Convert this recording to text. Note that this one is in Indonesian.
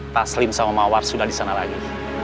taslim sama mawar sudah disana lagi